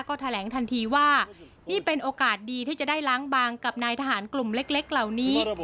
ก็แถลงทันทีว่านี่เป็นโอกาสดีที่จะได้ล้างบางกับนายทหารกลุ่มเล็กเหล่านี้